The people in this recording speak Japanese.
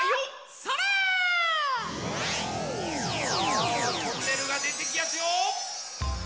さあトンネルがでてきやすよ。